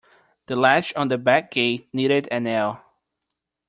The latch on the back gate needed a nail.